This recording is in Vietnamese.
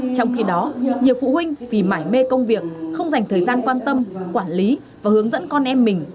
trong khi đó nhiều phụ huynh vì mải mê công việc không dành thời gian quan tâm quản lý và hướng dẫn con em mình